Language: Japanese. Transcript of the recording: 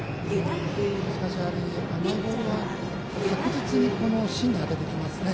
しかし、やはり甘いボールは確実に芯に当ててきますね。